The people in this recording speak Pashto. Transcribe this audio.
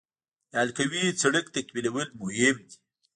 د حلقوي سړک تکمیلول مهم دي